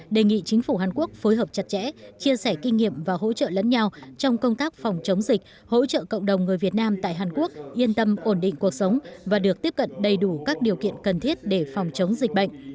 đề nghị chính phủ hàn quốc phối hợp chặt chẽ chia sẻ kinh nghiệm và hỗ trợ lẫn nhau trong công tác phòng chống dịch hỗ trợ cộng đồng người việt nam tại hàn quốc yên tâm ổn định cuộc sống và được tiếp cận đầy đủ các điều kiện cần thiết để phòng chống dịch bệnh